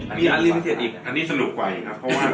อันนี้สนุกกว่ายังครับ